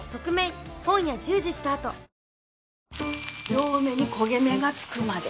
両面に焦げ目が付くまで。